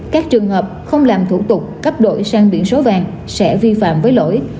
các trường hợp không làm thủ tục cấp đổi sang biển số vàng sẽ vi phạm với lỗi